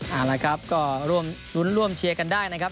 เอาละครับก็ร่วมรุ้นร่วมเชียร์กันได้นะครับ